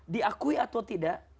diakui atau tidak